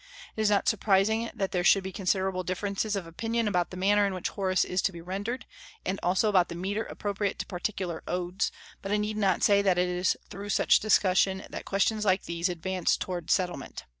It is not surprising that there should be considerable differences of opinion about the manner in which Horace is to be rendered, and also about the metre appropriate to particular Odes; but I need not say that it is through such discussion that questions like these advance towards settlement.